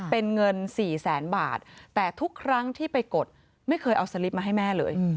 เป็นเงินสี่แสนบาทแต่ทุกครั้งที่ไปกดไม่เคยเอาสลิปมาให้แม่เลย